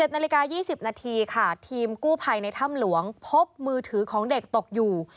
๑นาฬิกา๒๐นาทีค่ะทีมกู้ภัยในถ้ำหลวงพบมือถือของเด็กตกอยู่